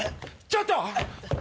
ちょっと！